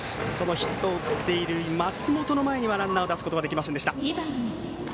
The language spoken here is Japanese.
ヒットを打っている松本の前にランナーを出すことができませんでした。